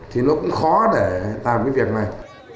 thì nó cũng khó để làm cái việc này